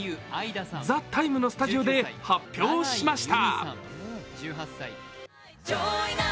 「ＴＨＥＴＩＭＥ，」のスタジオで発表しました。